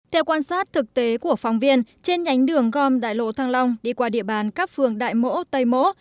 theo quan sát thực tế của phóng viên trên nhánh đường gom đại lộ thăng long đi qua địa bàn các phường đại mỗ tây mỗ